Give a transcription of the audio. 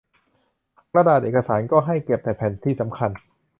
กระดาษเอกสารก็ให้เก็บแต่แผ่นที่สำคัญ